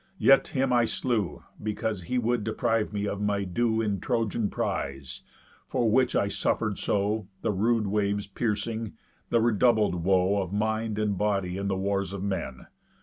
Yet him I slew, Because he would deprive me of my due In Trojan prise; for which I suffer'd so (The rude waves piercing) the redoubled woe Of mind and body in the wars of men.